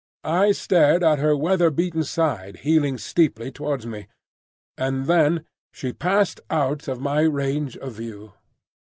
I stared at her weather beaten side heeling steeply towards me; and then she passed out of my range of view.